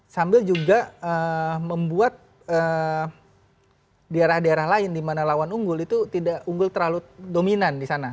sambil juga membuat di arah di arah lain di mana lawan unggul itu tidak unggul terlalu dominan di sana